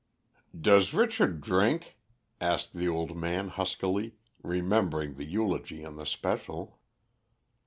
"Does Richard drink?" asked the old man huskily, remembering the eulogy on the Special.